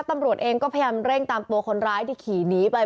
ตำรวจเองก็พยายามเร่งตามตัวคนร้ายที่ขี่หนีไป